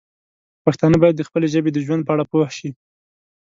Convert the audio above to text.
پښتانه باید د خپلې ژبې د ژوند په اړه پوه شي.